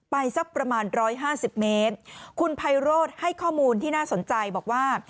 สักประมาณร้อยห้าสิบเมตรคุณไพโรธให้ข้อมูลที่น่าสนใจบอกว่า